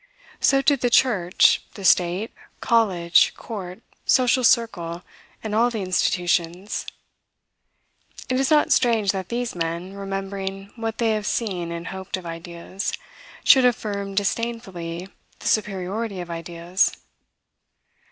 So did the church, the state, college, court, social circle, and all the institutions. It is not strange that these men, remembering what they have seen and hoped of ideas, should affirm disdainfully the superiority of ideas.